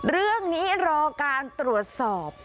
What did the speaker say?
เรื่องนี้รอการตรวจสอบ